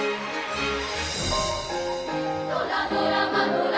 「ドラドラマドラ！